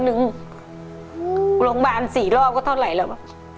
โรงพยาบาล๔รอบก็เท่าไหร่แล้ว